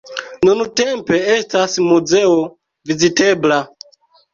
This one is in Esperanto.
Nuntempe estas muzeo vizitebla.